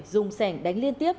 dùng sẻng đánh liên tiếp